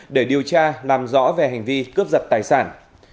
để điều tra làm rõ về hành vi cướp giật tài sản